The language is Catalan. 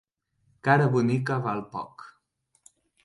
Cara bonica val poc.